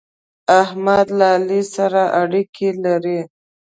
احمد له علي سره اړېکې لري.